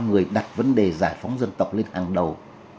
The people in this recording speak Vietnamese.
người đặt vấn đề giải phóng dân tộc lên hàng đầu